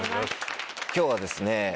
今日はですね